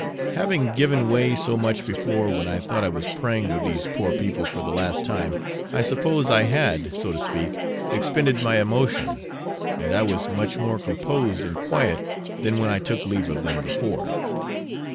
Having given way so much before when I thought I was praying with these poor people for the last time, I suppose I had, so to speak, expended my emotion; and I was much more composed and quiet than when I took leave of them before.